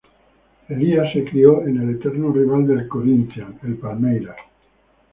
Elías se crio en el eterno rival del Corinthians, el Palmeiras.